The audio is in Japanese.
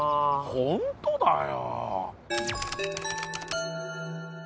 ホントだよ